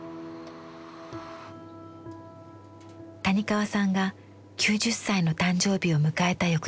谷川さんが９０歳の誕生日を迎えた